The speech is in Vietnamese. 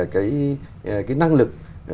cái năng lực